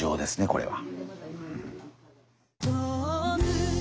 これは。